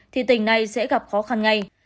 thì tỉnh này sẽ gặp khó khăn ngay